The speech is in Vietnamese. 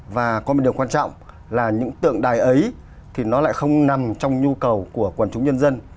và có một điều quan trọng là những tượng đài ấy thì nó lại không nằm trong nhu cầu của quần chúng nhân dân